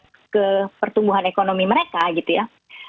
untuk ke pertumbuhan ekonomi mereka gitu ya